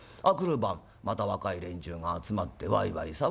明くる晩また若い連中が集まってわいわい